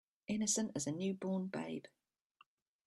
Innocent as a new born babe.